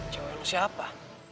cewek lo siapa